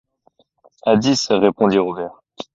À dix, répondit Robert.